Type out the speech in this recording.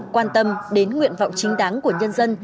quan tâm đến nguyện vọng chính đáng của nhân dân